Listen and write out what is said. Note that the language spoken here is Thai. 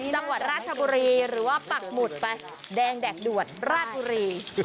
จังหวัดราชบุรีหรือว่าปักหมุดไปแดงแดกด่วนราชบุรี